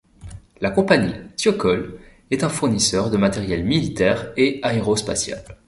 La compagnie Thiokol est un fournisseur de matériel militaire et aérospatial.